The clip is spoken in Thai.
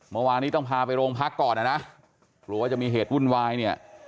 เมื่อวานนี้ต้องพาไปโรงพักก่อนนะกลัวว่าจะมีเหตุวุ่นวายเนี่ย